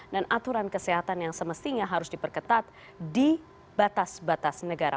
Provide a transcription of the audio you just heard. dan aturan kesehatan yang semestinya harus diperketat di batas batas negara